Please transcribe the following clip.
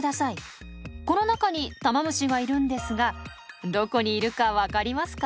この中にタマムシがいるんですがどこにいるか分かりますか？